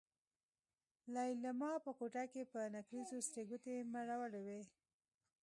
ليلما په کوټه کې په نکريزو سرې ګوتې مروړلې.